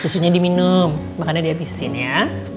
susunya diminum makanya dihabisin ya